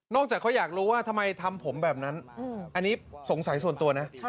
จากเขาอยากรู้ว่าทำไมทำผมแบบนั้นอันนี้สงสัยส่วนตัวนะ